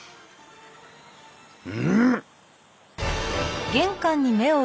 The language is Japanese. うん！？